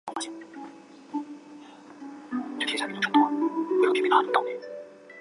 福特汽车主管将原先的装配线发展成为了由机械传送带来运输零件让工人进行组装。